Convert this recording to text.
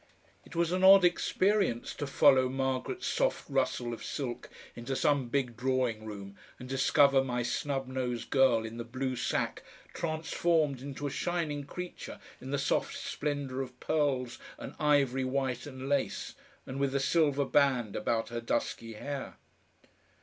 It was an odd experience to follow Margaret's soft rustle of silk into some big drawing room and discover my snub nosed girl in the blue sack transformed into a shining creature in the soft splendour of pearls and ivory white and lace, and with a silver band about her dusky hair.